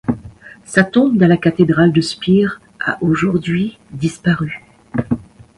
Sa tombe dans la cathédrale de Spire a aujourd'hui disparu.